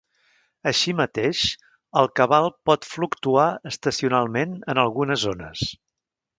Així mateix, el cabal pot fluctuar estacionalment en algunes zones.